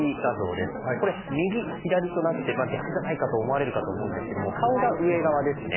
これ「右」「左」となって逆じゃないかと思われるかと思うんですけれども顔が上側ですね。